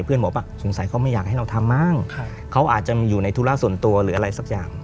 บอกว่าสงสัยเขาไม่อยากให้เราทำมั้งเขาอาจจะมีอยู่ในธุระส่วนตัวหรืออะไรสักอย่าง